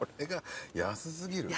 安過ぎる。